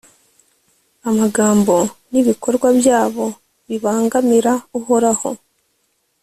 amagambo n'ibikorwa byabo bibangamira uhoraho